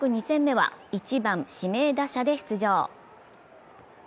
２戦目は１番・指名打者で出場。